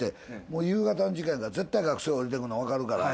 もう夕方の時間やから絶対学生降りてくんのわかるから。